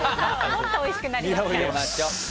もっとおいしくなりますから。